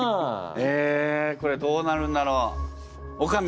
えこれどうなるんだろう？おかみ！